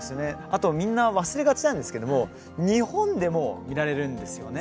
あと、みんな忘れがちなんですけども日本でも見られるんですよね。